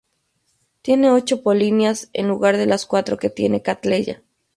Tiene ocho polinias en lugar de las cuatro que tiene "Cattleya".